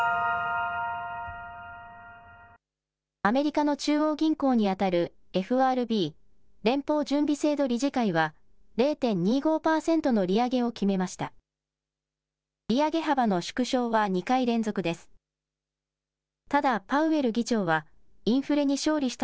アメリカの中央銀行に当たる、ＦＲＢ・連邦準備制度理事会は、０．２５％の利上げを決めました。